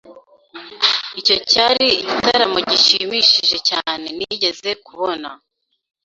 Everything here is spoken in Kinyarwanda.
Icyo cyari igitaramo gishimishije cyane nigeze kubamo.